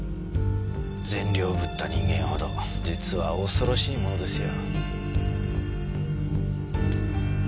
善良ぶった人間ほど実は恐ろしいものですよ。